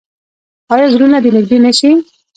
آیا زړونه دې نږدې نشي؟